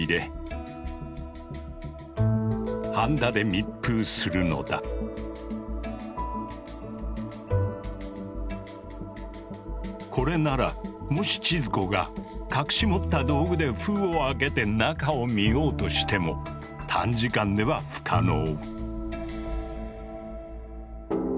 水道などに使う鉛管をこれならもし千鶴子が隠し持った道具で封を開けて中を見ようとしても短時間では不可能。